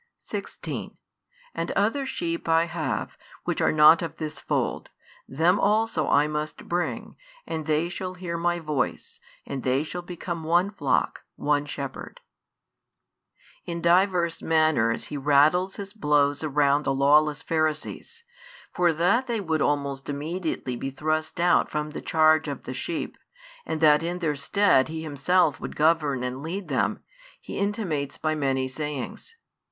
16 And other sheep I have, which are not of this fold: them also I must bring; and they shall hear My voice; and they shall become one flock, one shepherd. In divers manners He rattles His blows around the lawless Pharisees; for that they would almost immediately be thrust out from the charge of the sheep and that in their stead He Himself would govern and lead them, He intimates by many sayings.